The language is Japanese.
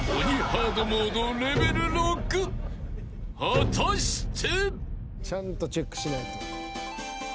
［果たして］